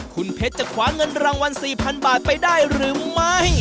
คุณเพชรจะคว้าเงินรางวัล๔๐๐๐บาทไปได้หรือไม่